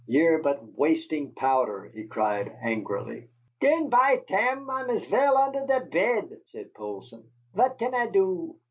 "Ye're but wasting powder," he cried angrily. "Then, by tam, I am as vell under the bed," said Poulsson. "Vat can I do?"